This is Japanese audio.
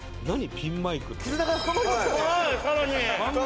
ピンマイクって。